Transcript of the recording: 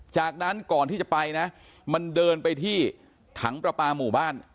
จากนั้นก่อนที่จะไปนะมันเดินไปที่ถังประปาหมู่บ้าน